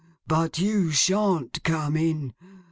But you shan't come in.